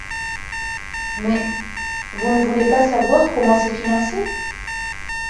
Mais… Vous ne voulez pas savoir comment c’est financé.